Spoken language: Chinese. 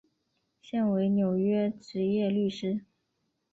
现为纽约执业律师。